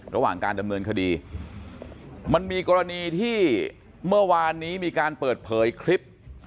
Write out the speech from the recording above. ระหว่างการดำเนินคดีมันมีกรณีที่เมื่อวานนี้มีการเปิดเผยคลิป